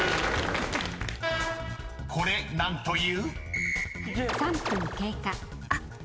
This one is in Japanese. ［これ何という？］